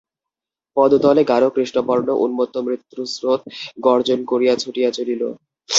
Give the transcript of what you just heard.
পদতলে গাঢ় কৃষ্ণবর্ণ উন্মত্ত মৃত্যুস্রোত গর্জন করিয়া ছুটিয়া চলিল।